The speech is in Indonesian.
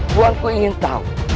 tuanku ingin tahu